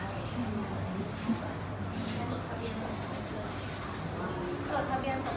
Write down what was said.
มีจุดทะเบียนส่งรถเรื่องไหน